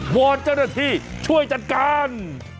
วอนเจ้าหน้าที่ช่วยจัดการ